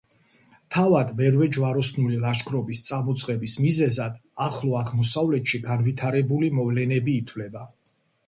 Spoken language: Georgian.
თავად მერვე ჯვაროსნული ლაშქრობის წამოწყების მიზეზად ახლო აღმოსავლეთში განვითარებული მოვლენები ითვლება.